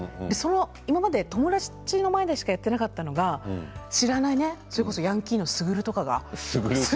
今まで友達の前でしかやっていなかったのに知らないね、それこそヤンキーのすぐるとかが。